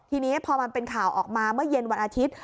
ทีนี้พอมันเป็นข่าวออกมาเมื่อเย็นวันอาทิตย์